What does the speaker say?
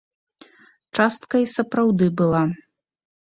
Частка і сапраўды была.